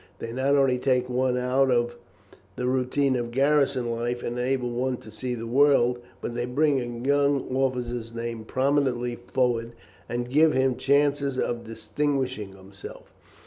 They not only take one out of the routine of garrison life and enable one to see the world, but they bring a young officer's name prominently forward, and give him chances of distinguishing himself.